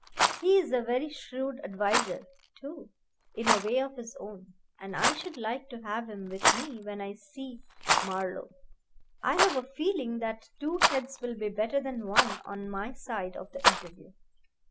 He is a very shrewd adviser, too, in a way of his own; and I should like to have him with me when I see Marlowe. I have a feeling that two heads will be better than one on my side of the interview."